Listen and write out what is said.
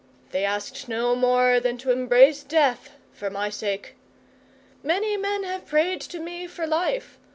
They asked no more than to embrace death for my sake. Many men have prayed to me for life.